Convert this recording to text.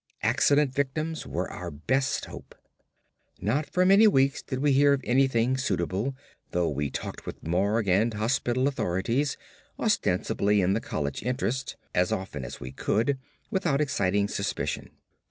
Accident victims were our best hope. Not for many weeks did we hear of anything suitable; though we talked with morgue and hospital authorities, ostensibly in the college's interest, as often as we could without exciting suspicion.